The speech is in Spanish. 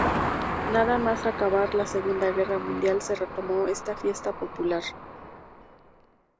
Nada más acabar la Segunda Guerra Mundial se retomó esta fiesta popular.